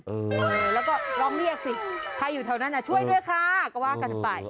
เออแล้วก็ลองเรียกสิใครอยู่แถวนั้นช่วยด้วยค่ะก็ว่ากันไป